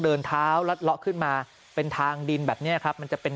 เดินเท้ารัดเลาะขึ้นมาเป็นทางดินแบบเนี้ยครับมันจะเป็น